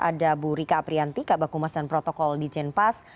ada bu rika aprianti kak bakumas dan protokol di genpas